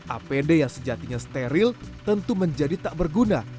apd yang sejatinya steril tentu menjadi tak berguna